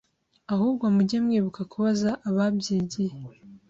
ahubwo mujye mwibuka kubaza ababyigiye